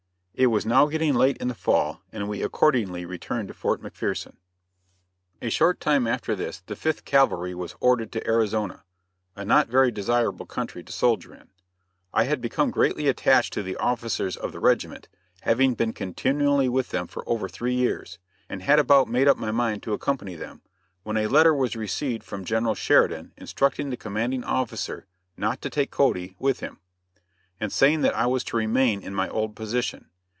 It was now getting late in the fall and we accordingly returned to Fort McPherson. A short time after this the Fifth Cavalry was ordered to Arizona, a not very desirable country to soldier in. I had become greatly attached to the officers of the regiment, having been continually with them for over three years, and had about made up my mind to accompany them, when a letter was received from General Sheridan instructing the commanding officer "not to take Cody" with him, and saying that I was to remain in my old position.